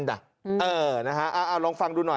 ลองฟังดูหน่อย